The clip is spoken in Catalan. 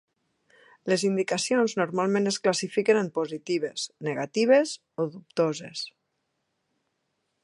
Les indicacions normalment es classifiquen en positives, negatives o dubtoses.